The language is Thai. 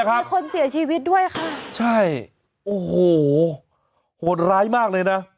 มีคนเสียชีวิตด้วยค่ะใช่โอ้โหโหดร้ายมากเลยนะ